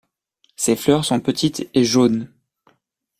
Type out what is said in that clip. Ses fleurs sont petites et jaunes.